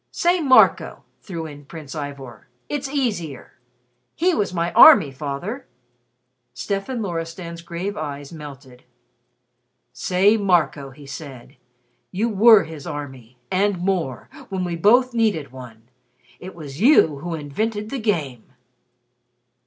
"Say 'Marco,'" threw in Prince Ivor. "It's easier. He was my army, Father." Stefan Loristan's grave eyes melted. "Say 'Marco,'" he said. "You were his army and more when we both needed one. It was you who invented the Game!"